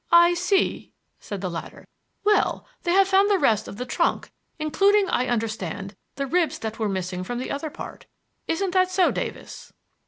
"I see," said the latter. "Well, they have found the rest of the trunk, including, I understand, the ribs that were missing from the other part. Isn't that so, Davis?"